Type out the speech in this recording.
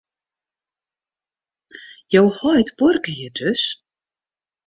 Jo heit buorke hjir dus?